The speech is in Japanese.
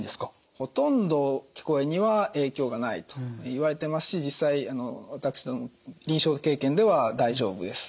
ほとんど聞こえには影響がないといわれてますし実際私ども臨床経験では大丈夫です。